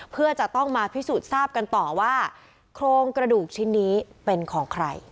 เพื่อจะต้องมาพิสูจน์ทราบกันต่อว่าโครงกระดูกชิ้นนี้เป็นของใคร